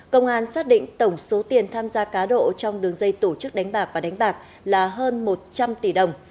công an xác định tổng số tiền tham gia cá độ trong đường dây tổ chức đánh bạc và đánh bạc là hơn một trăm linh tỷ đồng